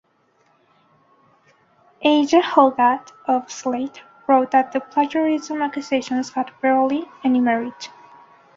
Aja Hoggatt of "Slate" wrote that the plagiarism accusations had "barely" any merit.